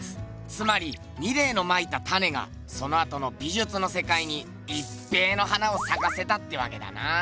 つまりミレーのまいた種がそのあとの美術のせかいにいっぺえの花をさかせたってわけだな。